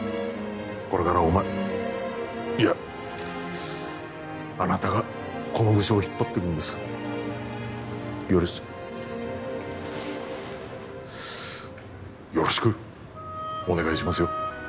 これからお前いやあなたがこの部署を引っ張っていくんですよろしくよろしくお願いしますよ